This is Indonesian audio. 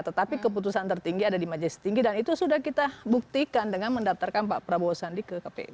tetapi keputusan tertinggi ada di majelis tinggi dan itu sudah kita buktikan dengan mendaftarkan pak prabowo sandi ke kpu